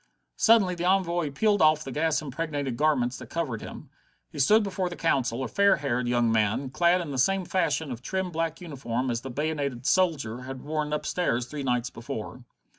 Suddenly the envoy peeled off the gas impregnated garments that covered him. He stood before the Council, a fair haired young man, clad in the same fashion of trim black uniform as the bayonetted soldier had worn upstairs three nights before.